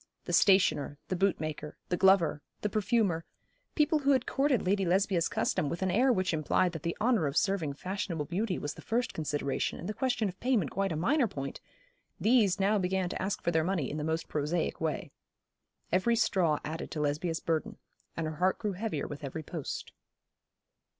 The stationer, the bootmaker, the glover, the perfumer, people who had courted Lady Lesbia's custom with an air which implied that the honour of serving fashionable beauty was the first consideration, and the question of payment quite a minor point these now began to ask for their money in the most prosaic way. Every straw added to Lesbia's burden; and her heart grew heavier with every post.